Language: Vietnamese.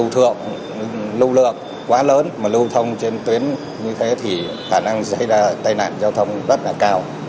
thượng lưu lược quá lớn mà lưu thông trên tuyến như thế thì khả năng xảy ra tai nạn giao thông rất là cao